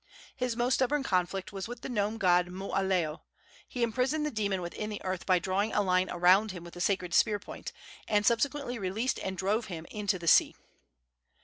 His most stubborn conflict was with the gnome god Mooaleo. He imprisoned the demon within the earth by drawing a line around him with the sacred spear point, and subsequently released and drove him into the sea.